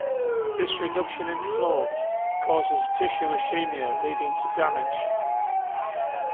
This reduction in flow causes tissue ischemia leading to damage.